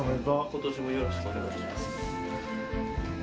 今年もよろしくお願いします。